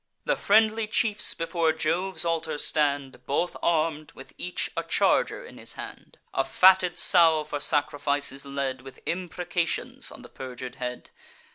The friendly chiefs before Jove's altar stand, Both arm'd, with each a charger in his hand: A fatted sow for sacrifice is led, With imprecations on the perjur'd head.